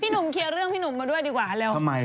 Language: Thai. หนุ่มเคลียร์เรื่องพี่หนุ่มมาด้วยดีกว่าเร็ว